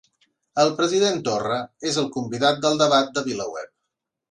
El president Torra és el convidat del debat de VilaWeb